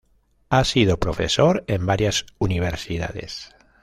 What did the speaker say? Ha sido profesor en varias universidades.